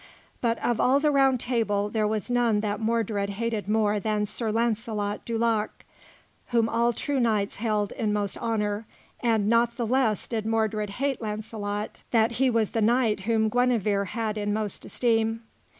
But of all the Round Table there was none that Mordred hated more than Sir Launcelot du Lac, whom all true knights held in most honour; and not the less did Mordred hate Launcelot that he was the knight whom Queen Guenevere had in most esteem.